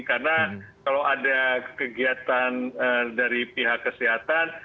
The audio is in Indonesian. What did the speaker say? karena kalau ada kegiatan dari pihak kesehatan